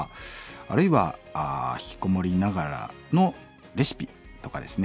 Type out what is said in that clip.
あるいはひきこもりながらのレシピとかですね